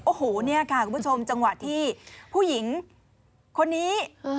โอ้โหเนี่ยค่ะคุณผู้ชมจังหวะที่ผู้หญิงคนนี้